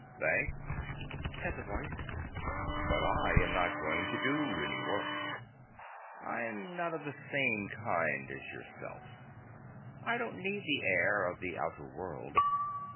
' Thanks,' said the voice, ' but I'm not going to do any work. Fm not of the same kind as yourself. I don't need the air of the outer world.